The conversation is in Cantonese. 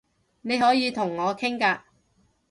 你可以同我傾㗎